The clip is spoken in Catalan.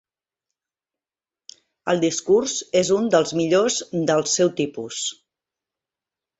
El discurs és un dels millors del seu tipus.